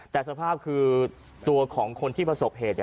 แต่สภาพคือตัวของคนที่ประสบเหตุ